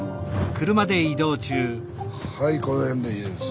はいこの辺でいいです。